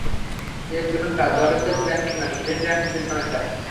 এই জোনটা জর্জেস ব্যাংকে নয়, গ্রিনল্যান্ডের জোন এটা।